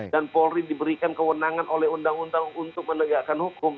dan polri diberikan kewenangan oleh undang undang untuk menegakkan hukum